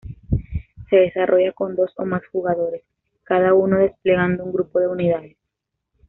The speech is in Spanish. Se desarrolla con dos o más jugadores, cada uno desplegando un grupo de unidades.